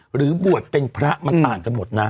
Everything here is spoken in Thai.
หรือบวชเป็นพระมันต่างกันหมดนะ